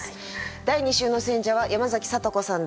第２週の選者は山崎聡子さんです。